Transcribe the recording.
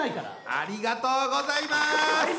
ありがとうございます。